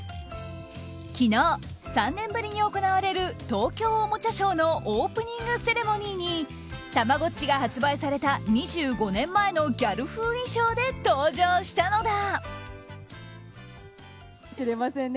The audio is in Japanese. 昨日、３年ぶりに行われる東京おもちゃショーのオープニングセレモニーにたまごっちが発売された２５年前のギャル風衣装で登場したのだ。